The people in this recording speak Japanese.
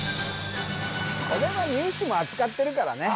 これはニュースも扱ってるからね